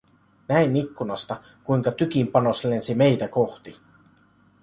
Näin ikkunasta kuinka tykin panos lensi meitä kohti.